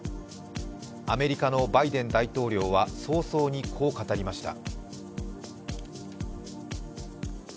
アメリカのバイデン大統領は早々にこう語りました。